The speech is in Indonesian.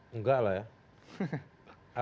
enggak lah ya